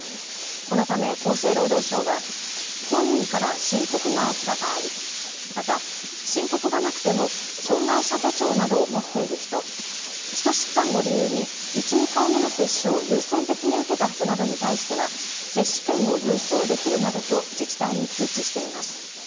このため厚生労働省は本人から申告があった場合、また申告がなくても障害者手帳などを持っている人基礎疾患を理由に１、２回目の接種を優先的に受けた人などに対しては接種券を郵送できるなどと自治体に通知しています。